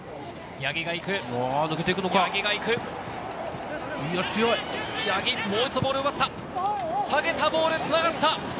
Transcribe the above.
八木、もう一度ボールを奪った、下げたボールつながった。